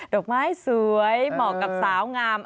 ดอกไม้สวยเหมาะกับสาวงาม